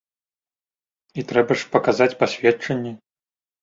І трэба ж паказаць пасведчанне.